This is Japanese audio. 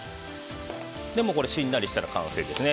これでしんなりしたら完成ですね。